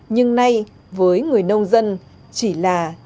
nhưng nay với người nông dân chỉ là dứa